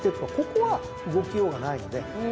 ここは動きようがないので。